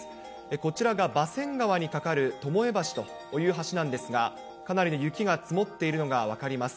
こちらがばせん川に架かるともえ橋という橋なんですが、かなりの雪が積もっているのが分かります。